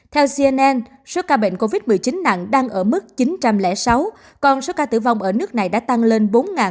theo cnn số ca bệnh covid một mươi chín nặng đang ở mức chín trăm linh sáu còn số ca tử vong ở nước này đã tăng lên bốn bốn trăm năm mươi sáu